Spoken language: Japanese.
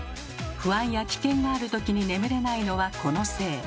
不安や危険がある時に眠れないのはこのせい。